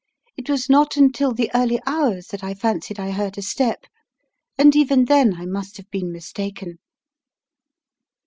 It was not until the early hours that I fan cied I heard a step, and even then I must have been mistaken."